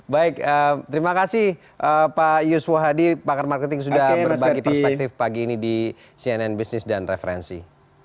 baik terima kasih pak yuswo hadi pakar marketing sudah berbagi perspektif pagi ini di cnn business dan referensi